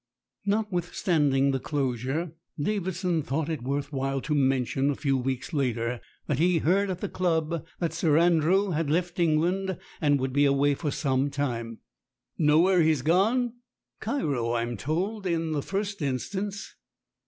Notwithstanding the closure, Davidson thought it worth while to mention a few weeks later, that he heard at the club that Sir Andrew had left England, and would be away for some time. "Know where he's gone?" "Cairo, I'm told, in the first instance."